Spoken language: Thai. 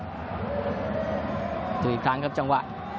ดูอีกครั้งครับจังหวะ